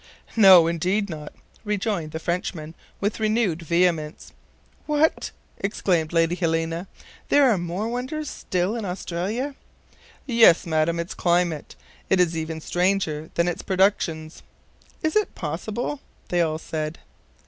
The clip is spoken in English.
"No, indeed not," rejoined the Frenchman, with renewed vehemence. "What!" exclaimed Lady Helena; "there are more wonders still in Australia?" "Yes, Madam, its climate. It is even stranger than its productions." "Is it possible?" they all said.